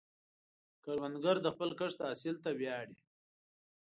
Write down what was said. کروندګر د خپل کښت حاصل ته ویاړي